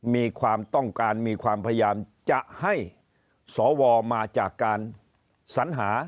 มีความต้องการมีความพยายามจะให้สวมาจากการสัญหา